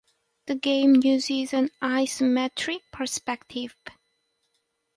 The game uses an isometric perspective.